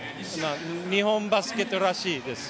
日本バスケットらしいです。